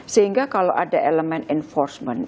sehingga kalau ada elemen enforcement